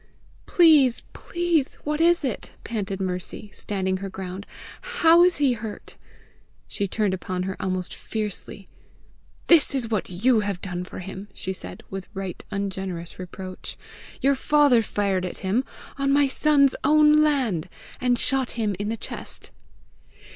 "Please, please, what is it?" panted Mercy, standing her ground. "How is he hurt?" She turned upon her almost fiercely. "This is what YOU have done for him!" she said, with right ungenerous reproach. "Your father fired at him, on my son's own land, and shot him in the chest."